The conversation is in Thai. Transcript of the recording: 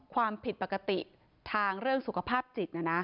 ความผิดปกติทางเรื่องสุขภาพจิต